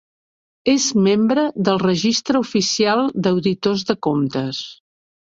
És membre del Registre Oficial d'Auditors de Comptes.